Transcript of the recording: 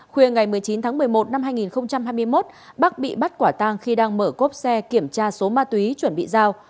khuya ngày một mươi chín tháng một mươi một năm hai nghìn hai mươi một bắc bị bắt quả tang khi đang mở cốp xe kiểm tra số ma túy chuẩn bị giao